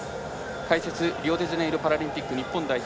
解説、リオデジャネイロパラリンピック日本代表